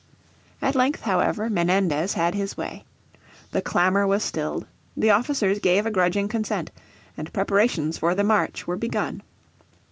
At length, however, Menendez had his way. The clamour was stilled, the officers gave a grudging consent, and preparations for the march were begun.